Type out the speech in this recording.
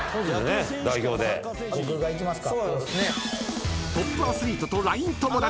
僕がいきますか。